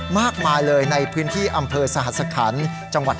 มากมายในพื้นที่อำเภอสหสขันธุ์